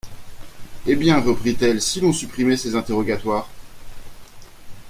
Eh ! bien, reprit-elle, si l’on supprimait ces interrogatoires ?…